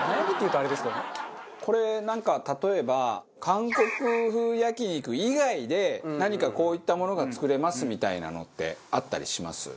これなんか例えば韓国風焼肉以外で何かこういったものが作れますみたいなのってあったりします？